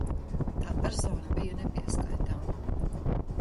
Tā persona bija nepieskaitāma!